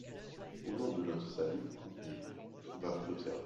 Au nom de notre salut, contenez-vous, on va vous observer.